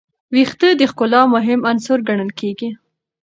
ویښتې د ښکلا مهم عنصر ګڼل کېږي.